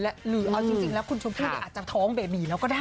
เออจริงแล้วคุณชมพูด้วยอาจจะท้องเบบีเราก็ได้